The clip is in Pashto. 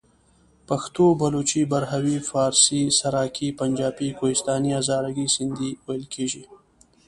پښتو، بلوچي، براهوي، فارسي، سرایکي، پنجابي، کوهستاني، هزارګي، سندهي..ویل کېژي.